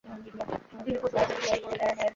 তিনি পশুপতিতে মৃত্যুবরণ করেন।